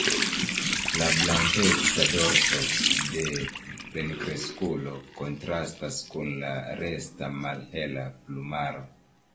La blankeca dorso de plenkreskulo kontrastas kun la resta malhela plumaro.